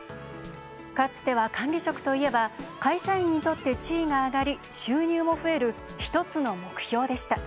かつては、管理職といえば会社員にとって地位が上がり収入も増える、１つの目標でした。